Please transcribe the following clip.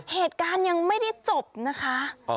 เหตุการณ์ยังไม่ได้จบนะคะ